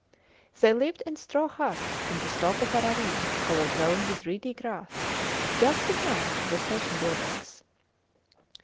They lived in straw huts on the slope of a ravine overgrown with reedy grass, just behind the station buildings.